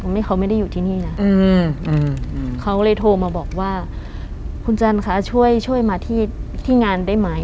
ไม่เขาไม่ได้อยู่ที่นี่นะเขาเลยโทรมาบอกว่าคุณจันคะช่วยช่วยมาที่งานได้ไหม